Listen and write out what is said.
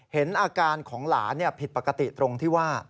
เห็นอาการของหลานผิดปกติตรงที่ว่า